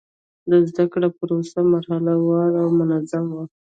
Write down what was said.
د زده کړې پروسه مرحله وار او منظم و.